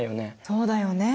そうだよね。